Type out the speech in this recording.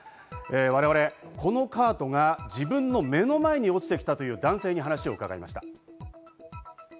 我々、このカートが自分の目の前に落ちてきたという男性に話を伺いました。